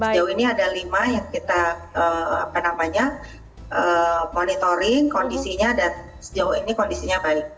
sejauh ini ada lima yang kita monitoring kondisinya dan sejauh ini kondisinya baik